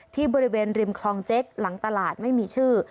ที่บริเวณริมคลองเจ๊กหลังตลาดไม่มีชื่อ